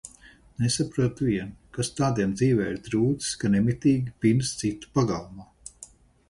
Nesaprotu vienu, kas tādiem dzīvē ir trūcis, ka nemitīgi pinas citu pagalmā?